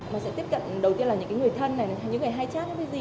mình sẽ tiếp cận đầu tiên là những người thân này những người hay chát hay gì